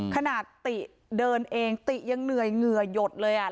ติเดินเองติยังเหนื่อยเหงื่อหยดเลยอ่ะ